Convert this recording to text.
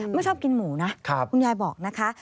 ไม่ชอบกินหมูนะคุณยายบอกนะคะ